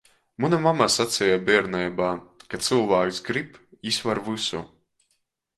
Muna mama saceja bierneibā: "Ka cylvāks grib, jis var vysu."